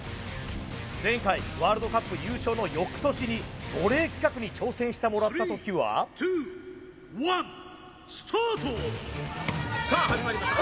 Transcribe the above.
前回ワールドカップ優勝の翌年にボレー企画に挑戦してもらった時は・ツーワンさあ始まりました